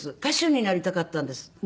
歌手になりたかったんです。